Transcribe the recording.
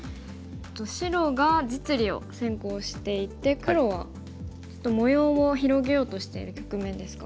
白が実利を先行していて黒はちょっと模様を広げようとしている局面ですか？